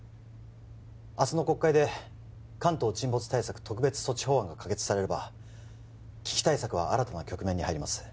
明日の国会で関東沈没対策特別措置法案が可決されれば危機対策は新たな局面に入ります